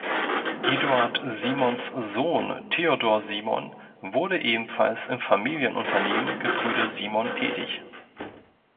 Eduard Simons Sohn Theodor Simon wurde ebenfalls im Familienunternehmen Gebrüder Simon tätig.